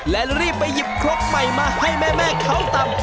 และรีบไปหยิบครกใหม่มาให้แม่เขาตำ